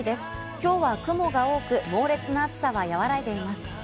きょうは雲が多く、猛烈な暑さは和らいでいます。